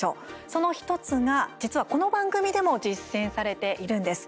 その１つが実はこの番組でも実践されているんです。